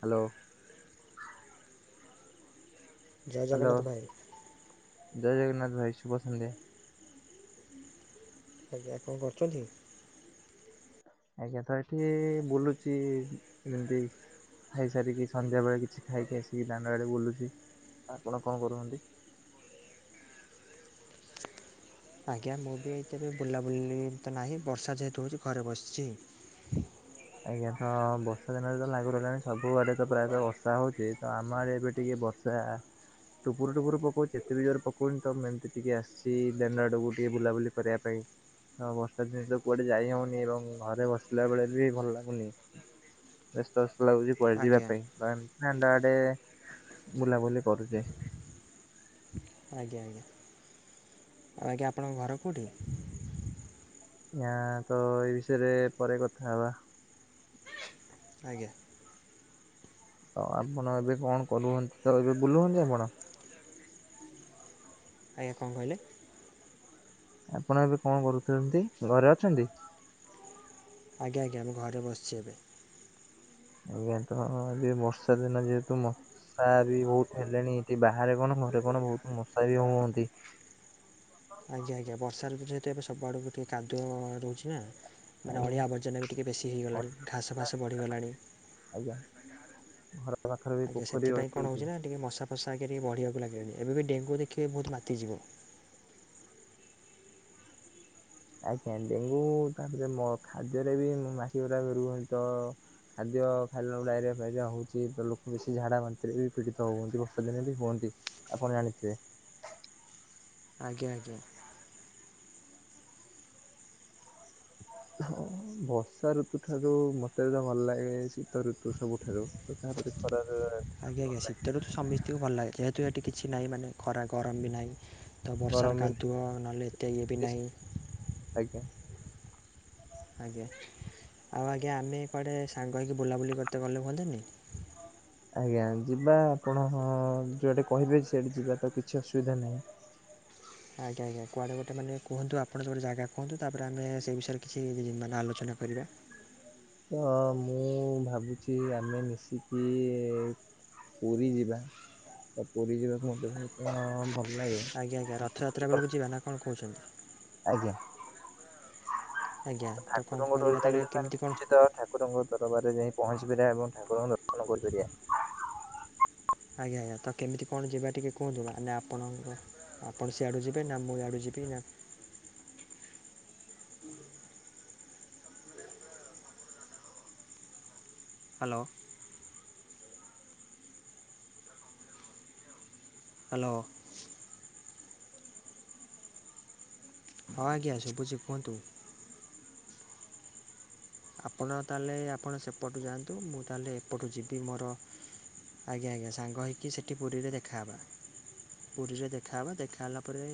Hello. ଜୟ hello Jagannath ଭାଇ। ଜୟ ଜଗନ୍ନାଥ ଭାଇ ଶୁଭ ସଂଧ୍ୟା। ଆଜ୍ଞା କଣ କରୁଛନ୍ତି? ଆଜ୍ଞା ତ ଏଠି ବୁଲୁଚି ଏମିତି। ଖାଇସାରିକି ସନ୍ଧ୍ୟାବେେଳେ କିଛି ଖାଇକି ଆସିକି ଦାଣ୍ଡ ଆଡେ ବୁଲୁଚି ଆପଣ କଣ କରୁନ୍ତି? ଆଜ୍ଞା ମୁଁ ବି ଏତେ ବି ବୁଲାବୁଲି ତ ନାହିଁ ବର୍ଷା ଯେହେତୁ ହେଉଛି ଘରେ ବସିଛି। ଆଜ୍ଞା ହଁ ବର୍ଷା ଦିନରେ ତ ଲାଗୁ ରହିଲାଣି ସବୁ ଆଡେ ତ ପ୍ରାୟତଃ ବର୍ଷା ହଉଛି ତ ଆମ ଆଡେ ଏବେ ଟିକେ ବର୍ଷା ଚା ଆ। ଟୁପରୁ ଟୁପୁ ପକାଉଛି ଯେତେ ବି ଜୋର ପକାଉନି ତ ମୁଁ ଏମିତି ଟିକିଏ ଆସି ଦାଣ୍ଡ ଆଡ଼କୁ ଟିକେ ବୁଲାବୁଲି କରିବା ପାଇଁ। ହଁ ବର୍ଷା ଜିନିଷ କୁଆଡେ ଯାଇ ହଉନି ଏବଂ ଘରେ ବସିଲା ବେଳେ ବି ଭଲ ଲାଗୁନି ବ୍ୟସ୍ତଵ୍ୟସ୍ତ ଲାଗୁଛି କୁଆଡେ ଯିବା ଆଜ୍ଞା। ପାଇଁ। ଵସ ଦାଣ୍ଡ ଆଡେ ବୁଲାବୁଲି କରୁଚି। ଆଜ୍ଞା ଆଜ୍ଞା ଆଜ୍ଞା ଆପଣଙ୍କ ଘର କେଉଁଠି? ୟା ତ ଏଇ ବିଷୟରେ ପରେ କଥା ହବା ଆଜ୍ଞା। ତ ଆପଣ ଏବେ କଣ କରୁନ୍ତି ତ ଏବେ ବୁଲୁ ହନ୍ତି ଆପଣ? ଆଜ୍ଞା କଣ କହିଲେ? ଆପଣ ଏବେ କଣ କରୁଛନ୍ତି ଘରେ ଅଛନ୍ତି? ଆଜ୍ଞା ଆଜ୍ଞା ମୁଁ ଘରେ ବସିଚି ଏବେ। ଆଜ୍ଞା ତ ବର୍ଷା ଦିନ ଯେହେତୁ ମ ମଶା ବି ବହୁତ ହେଲେଣି ଏଠି ବାହାରେ କଣ ଘରେ କଣ ବହୁତ ମଶା ବି ହୁଅନ୍ତି। ଆଜ୍ଞା ଆଜ୍ଞା ବର୍ଷାଋତୁ ଯେହେତୁ ଏବେ ସବୁଆଡୁକୁ ଟିକେ କାଦୁଅ ରହୁଛି ନା। ମାନେ ଆଜ୍ଞା ଅଳିଆ ଆବର୍ଜନା ବି ଟିକିଏ ବେଶୀ ହୋଇଇଗଲାଣି ଅଇଁଠା ଘାସ ଫାସ ବଢ଼ିଗଲାଣି। ଆଜ୍ଞା। ଘର ପାଖରେ ବି ଆଜ୍ଞା ପୋଖରୀ ସେଥିପାଇଁ ରହିଯାଉଛି। କଣହେଉଛି ନା ଟିକେ ମଶା ଫସା ଟିକେ ବଢ଼ିବାକୁାଲାଗିଲେଣି ଏବେ ବି ଡେଙ୍ଗୁ ଦେଖିବେ ବହୁତ ମାତିଯିବ। ଆଜ୍ଞା ଡେଙ୍ଗୁ ତାପରେ ମ ଖାଦ୍ୟରେ ବି ମାଛି ଗୁଡାକ ରୁହନ୍ତି ତ। ଖାଦ୍ୟ ଖାଇଲେ ଲୋକ ଡାଇରିଆ ଫାଇରିଆ ହେଉଛି ତ ଲୋକ ବେଶୀ ଝାଡ଼ା ବାନ୍ତିରେ ବି ପୀଡ଼ିତ ହୁଅନ୍ତି ବର୍ଷଦିନେ ବି ହୁଅନ୍ତି। ଆପଣ ଜାଣିଥିବେ। ଆଜ୍ଞା ଆଜ୍ଞା ବର୍ଷା ଋତୁ ଠାରୁ ମତେ ବି ତ ଭଲ ଲାଗେ ଶି ଶିତ ଋତୁ ସବୁଠାରୁ ତ ତାପରେ ଖରାଦିନରାତି। ଆଜ୍ଞା ଆଜ୍ଞା ଶୀତରୁତୁ ସମସ୍ତତିକୁ ଭଲ ଲାଗେ ଯେହେତୁ ହେଟି କିଛି ନାହିଁ ମାନେ ଖରା ଗରମ ବି ନାହିଁ। ତ ବର୍ଷାର ଗରମ ଦିନ କାଦୁଅ ନହେଲେ ଏତେ ଇଏ ବି ବେଶ୍ ନାହିଁ। ଆଜ୍ଞା। ଆଜ୍ଞା ଆଉ ଆଜ୍ଞା ଆମେ କୁଆଡ଼େ ସାଙ୍ଗ ହୋଇଇକି ବୁଲାବୁଲି କରିତେ ଗଲେ ହୁଅନ୍ତନି? ଆଜ୍ଞା ଯିବା ଆପଣ ହଁ ଯୁଆଡେ କହିବେ ସିଆଡେ ଯିବା ତ କିଛି ଅସୁବିଧା ନାହିଁ। ଆଜ୍ଞା ଆଜ୍ଞା କୁଆଡ଼େ ଗୋଟେ ମାନେ କୁହନ୍ତୁ ଆପଣ ଗୋଟେ ଜାଗା କୁହନ୍ତୁ ତାପରେ ଆମେ ସେ ବିୟରେ କିଛି ମାନେ ଆଲୋଚନା କରିବା। ହଁ ମୁଁ ଭାବୁଛି ଆମେ ମିଶିକି। ପୁରୀ ଯିବା ତ ପୁରୀ ଯିବାକୁମ ତୁମକୁ କଣ ଭଲ ଲାଗେ ଆଜ୍ଞା ଆଜ୍ଞା ରଥଯାତ୍ରା ବେଳକୁ ଭୁଲିବାକୁ? ଯିବା ନା କଣ କହୁଛନ୍ତି? ଆଜ୍ଞା ଆଜ୍ଞା ତ କ'ଣ ଠାକୁରଙ୍କ କରିବା ଲାଗିଲ ତା'ହେଲେ କେମିତି କ'ଣ ନିଶ୍ଚିତ ଭାବରେ ଠାକୁ ଠାକୁରଙ୍କ ଦରବାରରେ ଯାଇ ପହଞ୍ଚି ପାରିବା ଏବଂ ଠାକୁରଙ୍କୁ ଦର୍ଶନ କରିପାରିବା। ଆଜ୍ଞା ଆଜ୍ଞା ତ କେମିତି କଣ ଯିବା ଟିକେ କୁହନ୍ତୁେ ଆପଣଙ୍କର? ଆପଣ ସିଆଡ଼ୁ ଯିବେ ନା ମୁଁ ଆଡ଼ୁ ଯିବି ନା। ହାଲୋ। ହାଲୋ। ହ ଆଜ୍ଞା ସୁବୁଛିି କୁହନ୍ତୁ। ଆପଣ ତା ହେଲେ ଆପଣ ସେପଟୁ ଯାଆନ୍ତୁ ମୁଁ ତା ହେଲେ ଏପଟୁ ଯିବି ମୋର। ଆଜ୍ଞା ଆଜ୍ଞା ସାଙ୍ଗ ହେଇକି ସେଠି ପୁରୀରେ ଦେଖାହବା। ପୁରୀରେ ଦେଖାହବା ଦେଖା ହେଲା ପରେ।